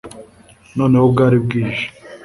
noneho bwari bwije